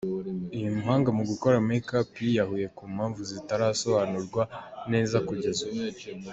Uyu muhanga mu gukora makeup, yiyahuye ku mpamvu zitarasobanurwa neza kugeza ubu.